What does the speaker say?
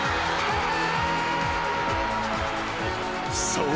［そう。